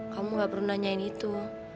kamu nggak perlu nanyain itu